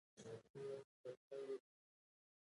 ما وویل هو که مړه شوو هلته به سره یوځای شو